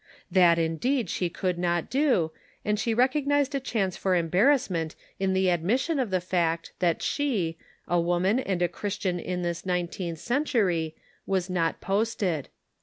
That indeed she could not do, and she re cognized a chance for embarrassment in the admission of the fact that she, a woman and a Christian in this nineteenth century, was not posted.